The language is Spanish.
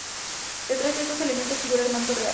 Detrás de estos elementos figura el manto real.